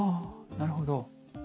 あなるほど。